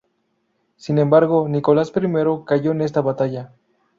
Sin embargo, Nicolás I cayó en esta batalla.